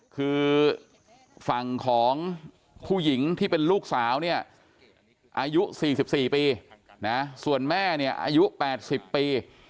คือฝั่งของผู้หญิงที่เป็นลูกสาวเนี่ยอายุ๔๔ปีนะส่วนแม่เนี่ยอายุ๘๐ปี